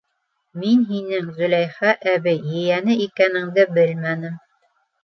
Мин һинең Зөләйха әбей ейәне икәнеңде белмәнем.